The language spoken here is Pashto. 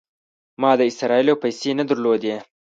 ما د اسرائیلو پیسې نه درلودې.